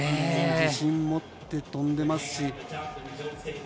自信持って飛んでますし。